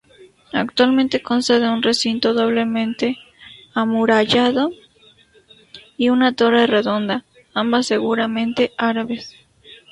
Actualmente consta de un recinto doblemente amurallado y una torre redonda, ambas seguramente árabes.